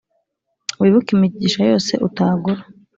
Wibuke imigisha yose utagura,